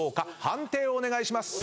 判定をお願いします。